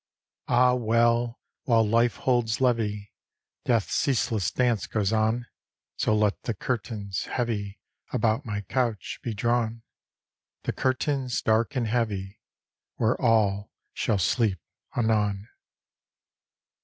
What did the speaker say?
Ah, well! while Life holds levee, Death's ceaseless dance goes on. So let the curtains, heavy About my couch, be drawn The curtains, dark and heavy, Where all shall sleep anon.